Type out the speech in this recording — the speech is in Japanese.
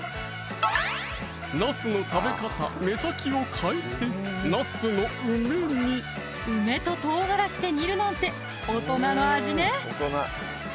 ナスの食べ方目先を変えて梅ととうがらしで煮るなんて大人の味ね